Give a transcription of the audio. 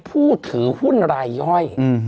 ผู้ถือหุ้นรายย่อย